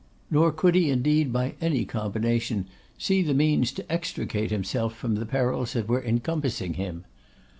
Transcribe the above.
Nor could he indeed by any combination see the means to extricate himself from the perils that were encompassing him.